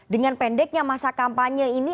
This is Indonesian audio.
dengan pendeknya masa kampanye ini